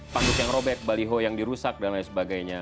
panduk yang robek baliho yang dirusak dan lain sebagainya